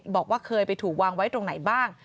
บอกว่าเคยไปถูกวางไว้ตรงไหนบ้าง